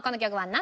何？